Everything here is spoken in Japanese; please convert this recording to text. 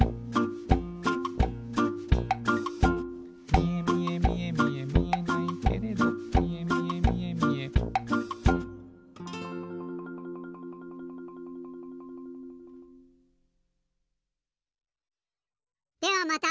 「みえみえみえみえみえないけれど」「みえみえみえみえ」ではまた。